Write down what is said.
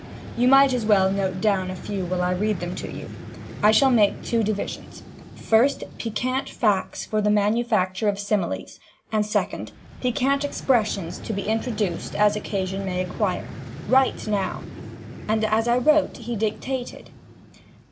You might as well note down a few while I read them to you. I shall make two divisions: first, Piquant Facts for the Manufacture of Similes, and, second, Piquant Expressions to be introduced as occasion may require. Write now!"—and I wrote as he dictated.